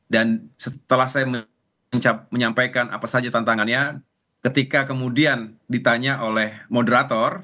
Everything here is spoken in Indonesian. dan setelah saya menyampaikan apa saja tantangannya ketika kemudian ditanya oleh moderator